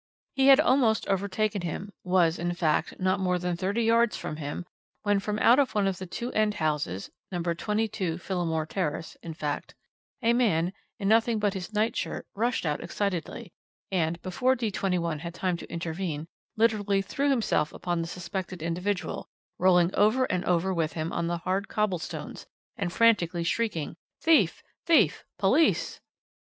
"He had almost overtaken him was, in fact, not more than thirty yards from him when from out of one of the two end houses No. 22, Phillimore Terrace, in fact a man, in nothing but his night shirt, rushed out excitedly, and, before D 21 had time to intervene, literally threw himself upon the suspected individual, rolling over and over with him on the hard cobble stones, and frantically shrieking, 'Thief! Thief! Police!'